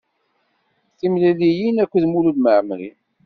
Timliliyin akked Mulud Mɛemri.